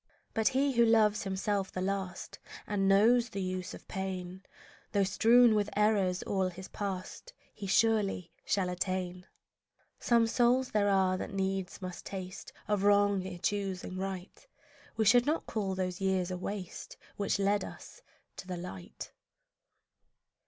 But he who loves himself the last And knows the use of pain, Though strewn with errors all his past, He surely shall attain. Some souls there are that needs must taste Of wrong, ere choosing right; We should not call those years a waste Which led us to the light.